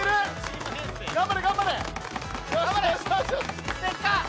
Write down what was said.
頑張れ頑張れ。